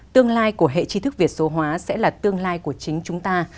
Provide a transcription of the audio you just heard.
tương lai của hệ chi thức việt số hóa sẽ là tương lai của chính chúng ta